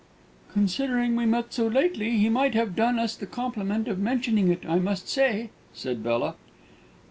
"Considering we met so lately, he might have done us the compliment of mentioning it, I must say!" said Bella.